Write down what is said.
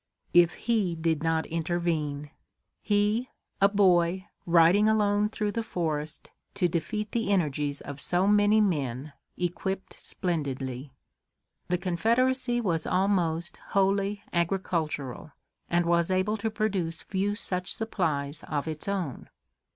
If he did not intervene! He, a boy, riding alone through the forest, to defeat the energies of so many men, equipped splendidly! The Confederacy was almost wholly agricultural, and was able to produce few such supplies of its own.